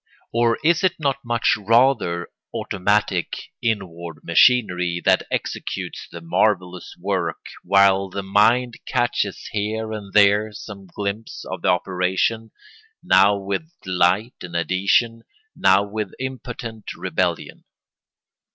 Or is it not much rather automatic inward machinery that executes the marvellous work, while the mind catches here and there some glimpse of the operation, now with delight and adhesion, now with impotent rebellion?